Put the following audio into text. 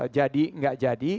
jadi gak jadi